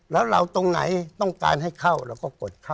แล้วเราตรงไหนต้องการให้เข้าเราก็กดเข้า